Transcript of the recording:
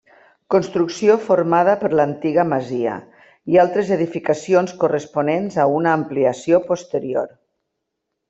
Construcció formada per l'antiga masia i altres edificacions corresponents a una ampliació posterior.